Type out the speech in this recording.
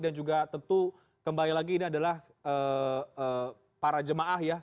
dan juga tentu kembali lagi ini adalah para jemaah ya